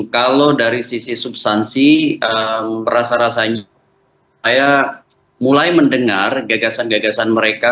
kalau dari sisi substansi rasa rasanya saya mulai mendengar gagasan gagasan mereka